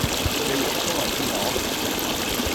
叫你耶穌落嚟見我